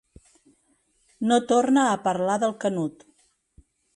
No torna a parlar del Canut.